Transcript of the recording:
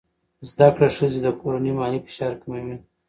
زده کړه ښځه د کورنۍ مالي فشار کموي.